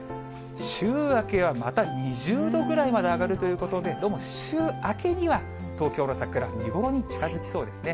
週明けはまた２０度ぐらいまで上がるということで、どうも週明けには、東京の桜、見頃に近づきそうですね。